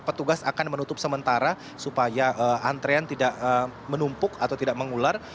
petugas akan menutup sementara supaya antrean tidak menumpuk atau tidak mengular